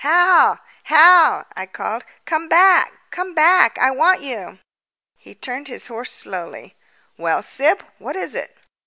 "Hal, Hal!" I called. "Come back, come back! I want you." He turned his horse slowly. "Well, Syb, what is it?"